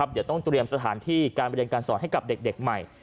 เดี๋ยวต้องเตรียมสถานที่การเรียนการสอนให้กับเด็กใหม่